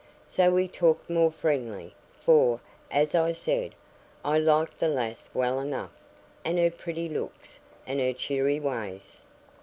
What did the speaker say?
So we talked more friendly, for, as I said, I liked the lass well enough, and her pretty looks, and her cheery ways.